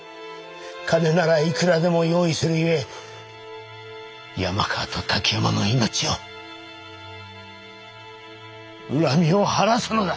金ならいくらでも用意するゆえ山川と滝山の命を恨みを晴らすのだ！